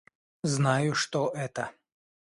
Знаю что это.